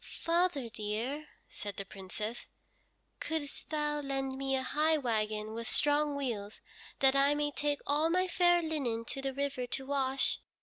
"Father, dear," said the Princess, "couldst thou lend me a high wagon with strong wheels, that I may take all my fair linen to the river to wash.